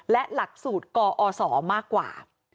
และหลักสูตรกอศมากกว่า